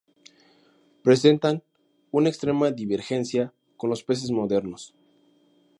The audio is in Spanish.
Presentan una extrema divergencia con los peces modernos.